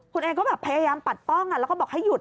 คุณเอก็แบบพยายามปัดป้องแล้วก็บอกให้หยุด